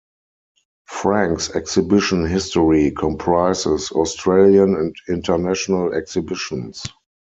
Frank's exhibition history comprises Australian and international exhibitions.